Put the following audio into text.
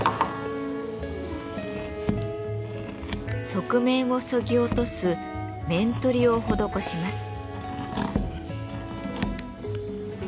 側面をそぎ落とす面取りを施します。